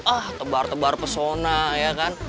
ah tebar tebar pesona ya kan